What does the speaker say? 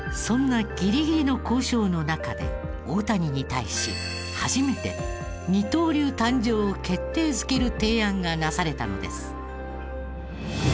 そんなギリギリの交渉の中で大谷に対し初めて二刀流誕生を決定づける提案がなされたのです。